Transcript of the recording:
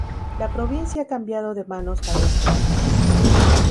La Provincia ha cambiado de manos varias veces.